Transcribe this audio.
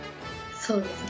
そうですね。